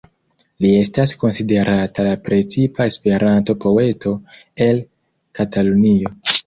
Li estas konsiderata la precipa Esperanto-poeto el Katalunio.